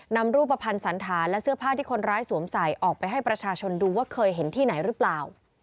นำรูปภัณฑ์สันธารและเสื้อผ้าที่คนร้ายสวมใส่ออกไปให้ประชาชนดูว่าเคยเห็นที่ไหนหรือเปล่า